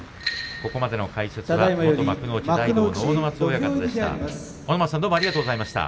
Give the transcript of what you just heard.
ここまでの解説は幕内元大道の阿武松親方でした。